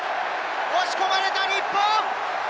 押し込まれた日本！